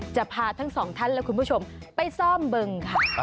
จะพาทั้งสองท่านและคุณผู้ชมไปซ่อมบึงค่ะ